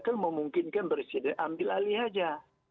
kan memungkinkan presiden ambil alih aja